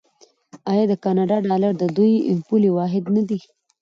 آیا د کاناډا ډالر د دوی پولي واحد نه دی؟